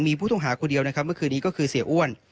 มีผู้ต้องหาคนเดียวนะครับเมื่อคืนนี้ก็คือเสียอ้วน